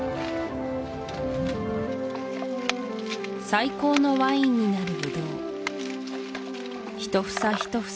最高のワインになるブドウ一房一房